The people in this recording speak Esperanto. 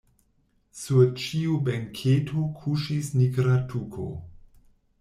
Sur ĉiu benketo kuŝis nigra tuko.